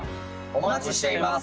お待ちしています！